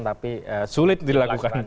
tapi sulit dilakukan